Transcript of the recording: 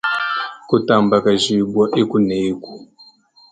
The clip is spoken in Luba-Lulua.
Kutambakashibua eku ne eku.